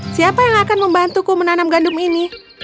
siapa yang akan membantuku menanam gandum ini